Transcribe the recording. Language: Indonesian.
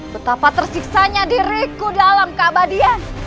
betapa tersiksanya diriku dalam kabadian